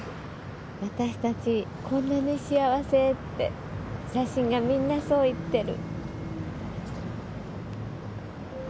わたしたちこんなに幸せ」って写真がみんなそう言ってる。